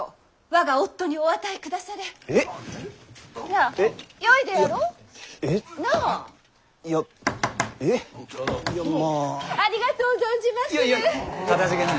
ありがとう存じまする！